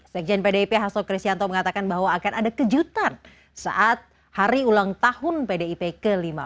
sekjen pdip hasto kristianto mengatakan bahwa akan ada kejutan saat hari ulang tahun pdip ke lima belas